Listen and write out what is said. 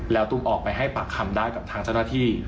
แล้วตุ้มออกไปให้ปากคำได้กับทางเจ้าหน้าที่